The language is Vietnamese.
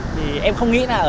thì em không nghĩ nào